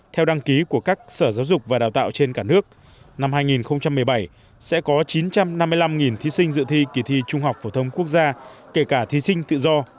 theo đăng ký của các sở giáo dục và đào tạo trên cả nước năm hai nghìn một mươi bảy sẽ có chín trăm năm mươi năm thí sinh dự thi kỳ thi trung học phổ thông quốc gia kể cả thí sinh tự do